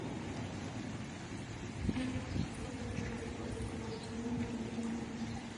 Esta planta produce flores de color crema en abril y mayo.